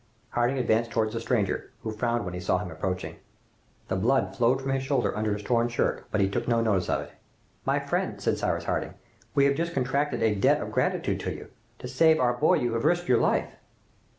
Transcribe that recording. Harding advanced towards the stranger, who frowned when he saw him approaching. The blood flowed from his shoulder under his torn shirt, but he took no notice of it. "My friend," said Cyrus Harding, "we have just contracted a debt of gratitude to you. To save our boy you have risked your life!"